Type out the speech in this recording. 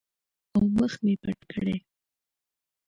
او مخ مې پټ کړي.